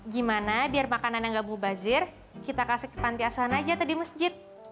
gimana biar makanan yang enggak bu basil kita kasih ke pantai asuhan aja atau di masjid